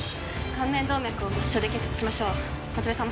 顔面動脈を末梢で結紮しましょう夏梅さん